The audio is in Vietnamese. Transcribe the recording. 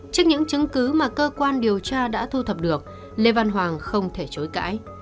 trước những chứng cứ mà cơ quan điều tra đã thu thập được lê văn hoàng không thể chối cãi